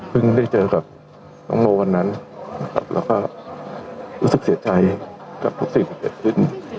ได้เจอกับน้องโมวันนั้นนะครับแล้วก็รู้สึกเสียใจกับทุกสิ่งที่เกิดขึ้น